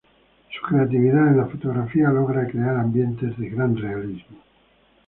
Su creatividad en la fotografía logra crear ambientes de gran realismo.